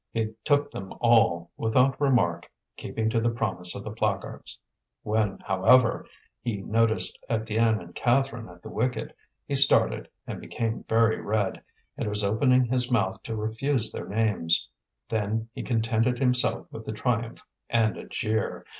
He took them all, without remark, keeping to the promise of the placards. When, however, he noticed Étienne and Catherine at the wicket, he started and became very red, and was opening his mouth to refuse their names; then, he contented himself with the triumph, and a jeer.